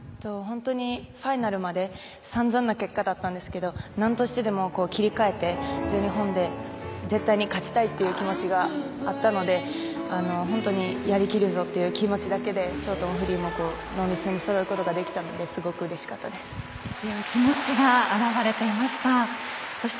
ファイナルまで散々な結果だったんですけど何としてでも切り替えて全日本で絶対に勝ちたいという気持ちがあったので本当にやりきるぞという気持ちだけでショートもフリーもノーミスにすることができたので強い気持ちが表れていました。